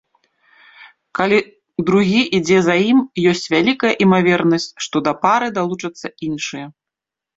Калі другі ідзе за ім, ёсць вялікая імавернасць, што да пары далучацца іншыя.